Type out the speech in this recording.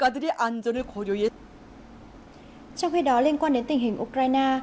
trong khi đó liên quan đến tình hình ukraine